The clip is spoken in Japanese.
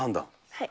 はい。